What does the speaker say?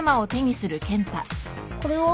これは？